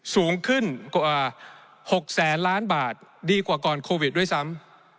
สูงขึ้นกว่า๖แสนล้านบาทดีกว่าก่อนโควิดด้วยซ้ำ